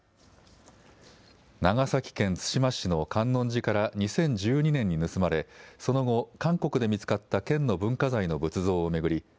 長崎県対馬市の観音寺から２０１２年に盗まれその後、韓国で見つかった県の文化財の仏像を巡り